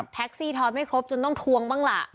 แท็คซีถอนไม่ครบจนต้องถวงบ้างล่ะ